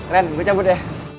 ren gue cabut ya